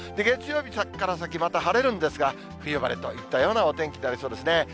月曜日から先、また晴れるんですが、冬晴れといったようなお天気になりそうですね。